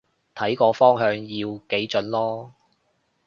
睇個方向要幾準囉